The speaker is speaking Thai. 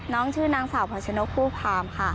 น้องชื่อนางสาวผัวชะโน้คภูพาร์มค่ะ